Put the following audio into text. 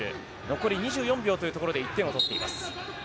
残り２４秒というところで１点を取っています。